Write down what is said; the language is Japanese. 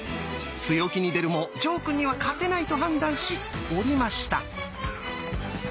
強気に出るも呈くんには勝てないと判断し降りました。